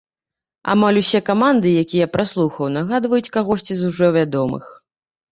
Амаль ўсе каманды, якія я праслухаў, нагадваюць кагосьці з ужо вядомых.